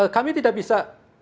kami tidak bisa